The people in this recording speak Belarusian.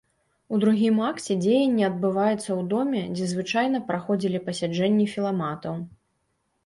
У другім акце дзеянне адбываецца ў доме, дзе звычайна праходзілі пасяджэнні філаматаў.